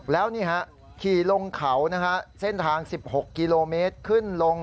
แล้วนี่ฮะขี่ลงเขานะฮะเส้นทาง๑๖กิโลเมตรขึ้นลง